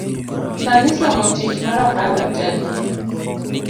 Sani somo tich mar ohala tek